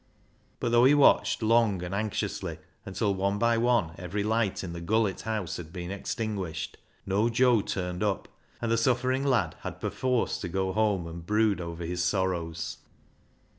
But though he watched long and anxiously until one by one every light in the Gullett house had been extinguished, no Joe turned up, and the suffering lad had perforce to go home and brood over his sorrows.